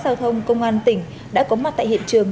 giao thông công an tỉnh đã có mặt tại hiện trường